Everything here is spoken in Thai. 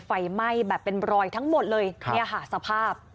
ไฟไหม้แบบเป็นรอยทั้งหมดเลยเนี่ยค่ะสภาพ